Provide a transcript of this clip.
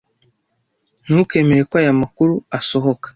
Ntukemere ko aya makuru asohoka.